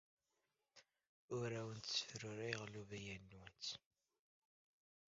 Ur awent-ssefruruyeɣ llubyan-nwent.